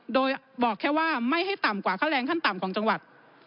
โดยบอกแค่ว่าไม่ให้ต่ำกว่าค่าแรงขั้นต่ำของจังหวัด